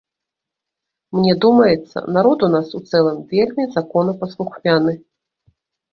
Мне думаецца, народ у нас у цэлым вельмі законапаслухмяны.